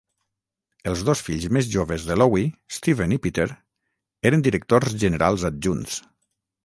Els dos fills més joves de Lowy, Steven i Peter, eren directors generals adjunts.